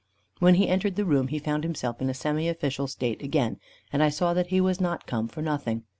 When he entered the room, he found himself in a semi official state again, and I saw that he was not come for nothing.